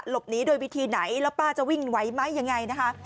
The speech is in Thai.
หลบหนีโดยวิธีไหนแล้วป้าจะวิ่งไหวไหมยังไงนะคะ